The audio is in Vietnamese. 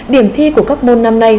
điểm thi của các môn năm nay